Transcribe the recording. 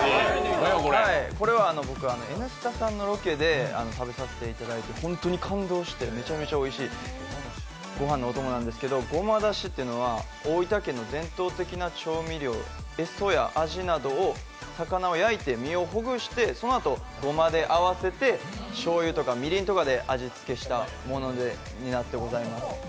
これは「Ｎスタ」さんのロケで食べさせていただいて本当に感動してめちゃめちゃおいしいご飯のお供なんですけれども、ごまだしというのは大分県の伝統的な調味料、エソやアジなどの魚を焼いて身をほぐしてそのあと、ごまであえて、しょうゆとかみりんとかで味付けしたものになってございます。